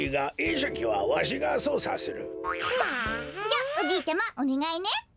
じゃおじいちゃまおねがいね。